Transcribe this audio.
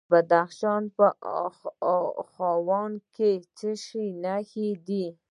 د بدخشان په واخان کې د څه شي نښې دي؟